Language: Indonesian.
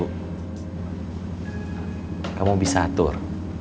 kamu bisa atur